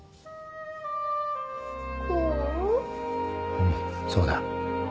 うんそうだ